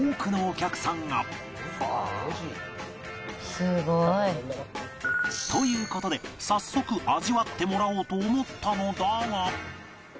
すごい」という事で早速味わってもらおうと思ったのだが